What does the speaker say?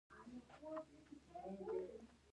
ډيپلوماسي د سوله ییزو اړیکو د ټینګښت لپاره کارول کېږي.